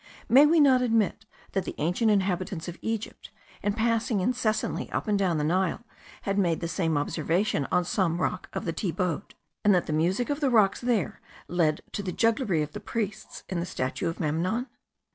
May we not admit that the ancient inhabitants of Egypt, in passing incessantly up and down the Nile, had made the same observation on some rock of the Thebaid; and that the music of the rocks there led to the jugglery of the priests in the statue of Memnon?